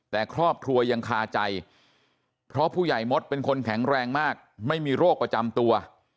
แต่ครอบครัวยังคาใจเพราะผู้ใหญ่มดเป็นคนแข็งแรงมากไม่มีโรคประจำตัว